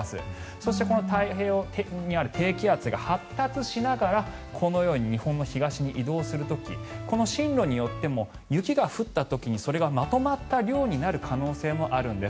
そして、この太平洋側にある低気圧が発達しながらこのように日本の東に移動する時この進路によっても雪が降った時にそれがまとまった量になる可能性もあるんです。